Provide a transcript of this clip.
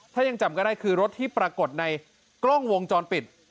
ถ้ายังจำก็ได้คือรถที่ปรากฏในกล้องวงจรปิด